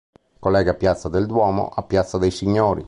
Collega piazza del Duomo a piazza dei Signori.